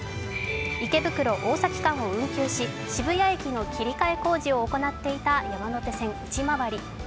池袋−大崎間を運休し、渋谷駅の切り替え工事を行っていた山手線